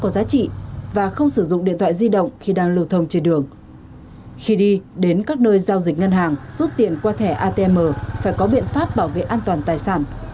giao dịch ngân hàng rút tiền qua thẻ atm phải có biện pháp bảo vệ an toàn tài sản